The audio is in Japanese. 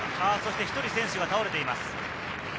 １人選手が倒れています。